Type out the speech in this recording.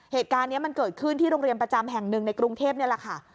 เหตุการณ์นี้มันเกิดขึ้นที่โรงเรียนประจำแห่งหนึ่งในกรุงเทพนี่แหละค่ะ